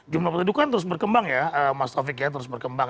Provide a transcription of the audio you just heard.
jumlah pendudukan terus berkembang ya mas taufik ya terus berkembang